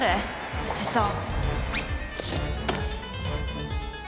おじさん。